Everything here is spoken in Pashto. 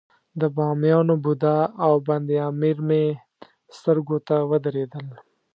د بامیانو بودا او بند امیر مې سترګو ته ودرېدل.